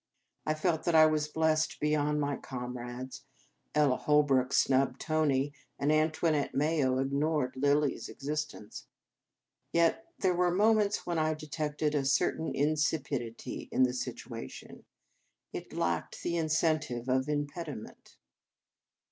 I felt that I was blessed beyond my com rades (Ella Holrook snubbed Tony, and Antoinette Mayo ignored Lilly s existence), yet there were moments when I detected a certain insipidity in the situation. It lacked the incen tive of impediment.